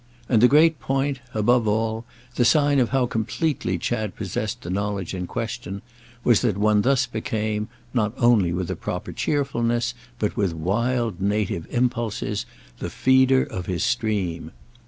And the great point, above all, the sign of how completely Chad possessed the knowledge in question, was that one thus became, not only with a proper cheerfulness, but with wild native impulses, the feeder of his stream.